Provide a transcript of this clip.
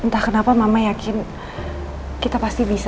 entah kenapa mama yakin kita pasti bisa